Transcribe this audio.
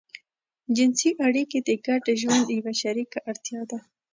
جنسي اړيکې د ګډ ژوند يوه شريکه اړتيا ده.